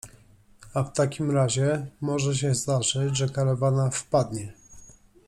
A w takim razie może się zdarzyć, że karawana wpadnie.